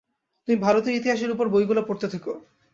তুমি ভারতীয় ইতিহাসের ওপর বইগুলো পড়তে থেকো।